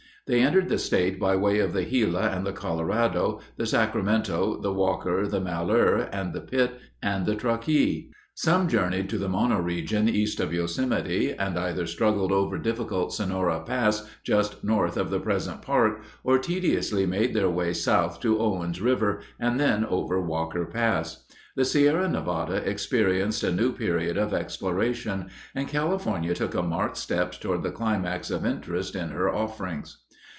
They entered the state by way of the Gila and the Colorado, the Sacramento, the Walker, the Malheur and the Pit, and the Truckee. Some journeyed to the Mono region east of Yosemite and either struggled over difficult Sonora Pass just north of the present park or tediously made their way south to Owens River and then over Walker Pass. The Sierra Nevada experienced a new period of exploration, and California took a marked step toward the climax of interest in her offerings.